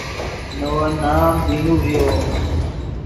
نے ون نام دینو ڤیو